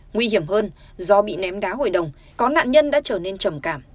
nguy hiểm hơn do bị ném đá hội đồng có nạn nhân đã trở nên trầm cảm